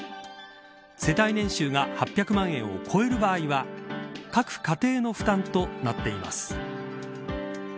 世帯年収が８００万円を超える場合は各家庭の負担となっています。